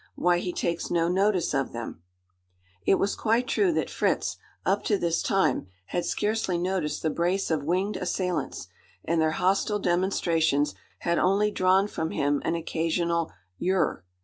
Why he takes no notice of them!" It was quite true that Fritz, up to this time, had scarcely noticed the brace of winged assailants; and their hostile demonstrations had only drawn from him an occasional "yir."